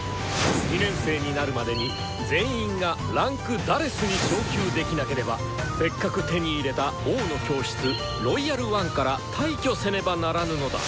２年生になるまでに全員が位階「４」に昇級できなければせっかく手に入れた「王の教室」「ロイヤル・ワン」から退去せねばならぬのだ！